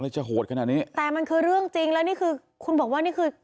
จะโหดขนาดนี้แต่มันคือเรื่องจริงแล้วนี่คือคุณบอกว่านี่คือ